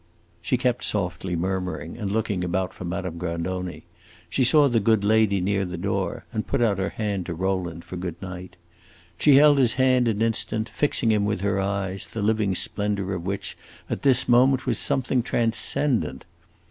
She kept softly murmuring and looking about for Madame Grandoni. She saw the good lady near the door, and put out her hand to Rowland for good night. She held his hand an instant, fixing him with her eyes, the living splendor of which, at this moment, was something transcendent.